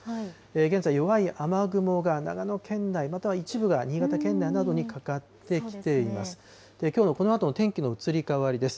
現在、弱い雨雲が長野県内、または一部が新潟県内などにかかってきています。